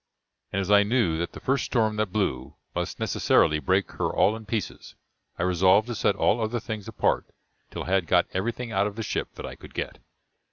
And as I knew that the first storm that blew must necessarily break her all in pieces, I resolved to set all other things apart till I had got everything out of the ship that I could get.